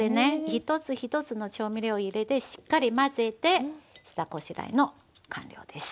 一つ一つの調味料を入れてしっかり混ぜて下ごしらえの完了です。